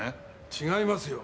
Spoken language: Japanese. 違いますよ。